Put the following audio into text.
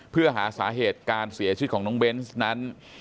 เพื่อหาสาเหตุการเสียชีวิตของน้องเบนส์นั้น